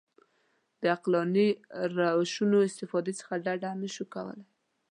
د عقلاني روشونو استفادې څخه ډډه نه شو کولای.